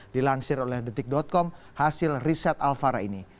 dilansir oleh detik com hasil riset alvara ini